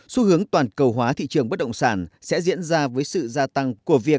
xu hướng toàn cầu hóa thị trường bất động sản sẽ diễn ra với sự gia tăng của việc